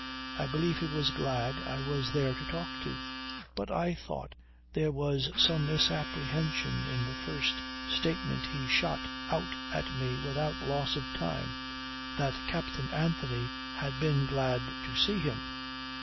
I believe he was glad I was there to talk to. But I thought there was some misapprehension in the first statement he shot out at me without loss of time, that Captain Anthony had been glad to see him.